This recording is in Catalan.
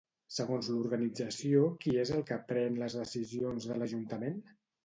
Segons l'organització, qui és el que pren les decisions de l'Ajuntament?